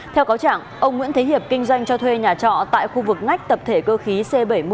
theo cáo trạng ông nguyễn thế hiệp kinh doanh cho thuê nhà trọ tại khu vực ngách tập thể cơ khí c bảy mươi